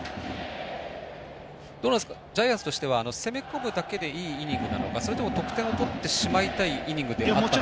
ジャイアンツとしては攻め込むだけでいいイニングなのかそれとも得点を取ってしまいたいイニングなのか。